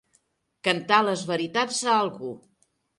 Cantar les veritats a algú.